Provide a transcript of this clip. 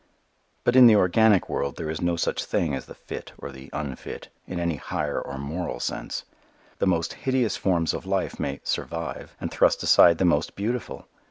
But in the organic world there is no such thing as the "fit" or the "unfit," in any higher or moral sense. The most hideous forms of life may "survive" and thrust aside the most beautiful.